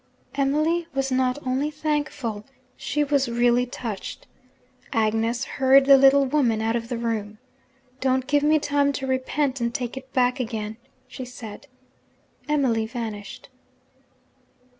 Emily was not only thankful she was really touched. Agnes hurried the little woman out of the room. 'Don't give me time to repent and take it back again,' she said. Emily vanished.